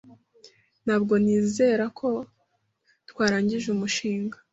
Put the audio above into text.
Ntabwo nizera ko twarangije umushinga.